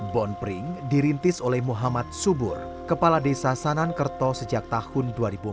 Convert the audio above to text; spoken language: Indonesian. bon pring dirintis oleh muhammad subur kepala desa sanankerto sejak tahun dua ribu empat belas